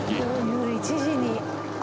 夜１時に。